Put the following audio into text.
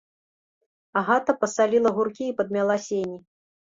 Агата пасаліла гуркі і падмяла сені.